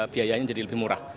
biayanya jadi lebih murah